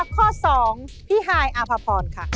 ข้อสองพี่ไฮอภาพรค่ะ